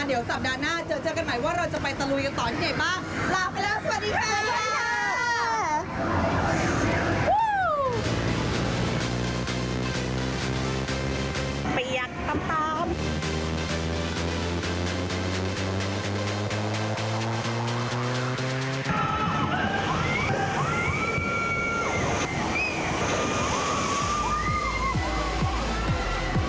เดี๋ยวสัปดาห์หน้าเจอกันใหม่ว่าเราจะไปตะลุยกันต่อที่ไหนบ้าง